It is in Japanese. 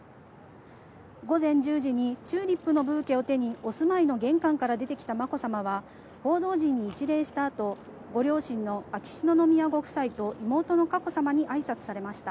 午前１０時にチューリップのブーケを手にお住まいの玄関から出てきたまこさまは、報道陣に一礼した後、ご両親の秋篠宮ご夫妻と妹の佳子さまに挨拶されました。